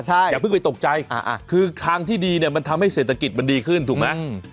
ใช่อย่าเพิ่งไปตกใจคือทางที่ดีเนี่ยมันทำให้เศรษฐกิจมันดีขึ้นถูกไหม